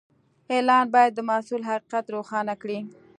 اعلان باید د محصول حقیقت روښانه کړي.